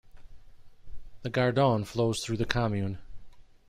The Gardon flows through the commune.